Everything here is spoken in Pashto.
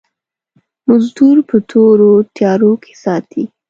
مزدور په تورو تيارو کې ساتي.